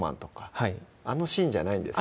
あの「シン」じゃないんですね